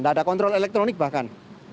tidak ada kontrol elektronik bahkan